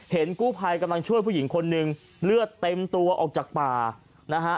กู้ภัยกำลังช่วยผู้หญิงคนหนึ่งเลือดเต็มตัวออกจากป่านะฮะ